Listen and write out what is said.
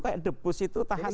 kayak depus itu tahan lama